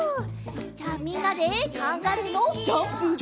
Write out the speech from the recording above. じゃあみんなでカンガルーのジャンプ。